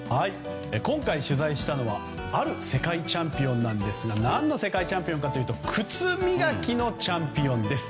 今回取材したのはある世界チャンピオンですが何の世界チャンピオンかというと靴磨きのチャンピオンです。